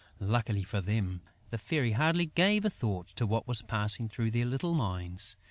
Luckily for them, the Fairy hardly gave a thought to what was passing through their little minds.